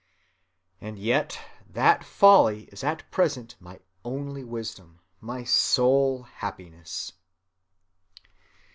And yet that folly is at present my only wisdom, my sole happiness.